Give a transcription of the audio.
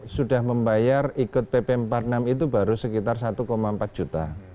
sudah membayar ikut pp empat puluh enam itu baru sekitar satu empat juta